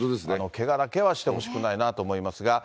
けがだけはしてほしくないなと思いますが。